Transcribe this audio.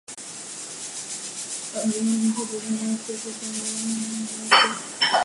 阳江高新技术产业开发区是中国广东省阳江市下辖的开发区。